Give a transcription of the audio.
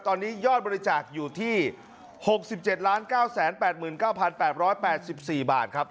ตอนนี้ยอดบริจาคอยู่ที่๖๗๙๘๙๘๘๔บาทครับ